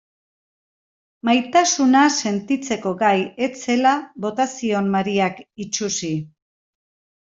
Maitasuna sentitzeko gai ez zela bota zion Mariak itsusi.